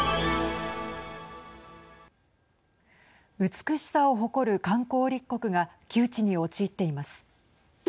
美しさを誇る観光立国が窮地に陥っています。